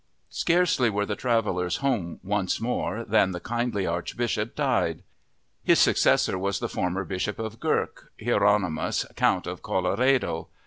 Scarcely were the travelers home once more than the kindly Archbishop died. His successor was the former Bishop of Gurk, Hieronymus, Count of Colloredo.